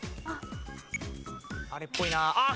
あれっぽいな。